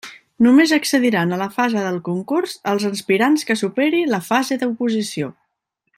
Només accediran a la fase de concurs els aspirants que superi la fase d'oposició.